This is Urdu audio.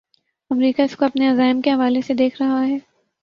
امریکہ اس کو اپنے عزائم کے حوالے سے دیکھ رہا ہے۔